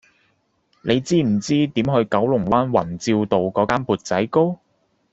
你知唔知點去九龍灣宏照道嗰間缽仔糕